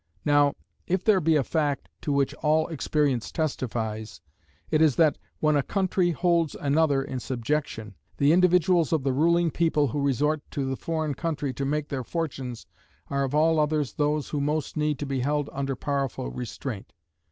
Now if there be a fact to which all experience testifies, it is that, when a country holds another in subjection, the individuals of the ruling people who resort to the foreign country to make their fortunes are of all others those who most need to be held under powerful restraint.